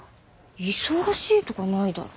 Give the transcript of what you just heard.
忙しいとかないだろ。